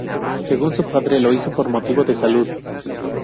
Según su padre, lo hizo por motivo de salud.